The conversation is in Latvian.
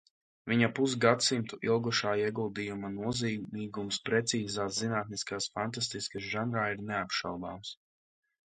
Viņa pusgadsimtu ilgušā ieguldījuma nozīmīgums precīzās zinātniskās fantastikas žanrā ir neapšaubāms.